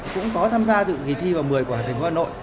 cũng có tham gia dự kỳ thi vào một mươi của thành phố hà nội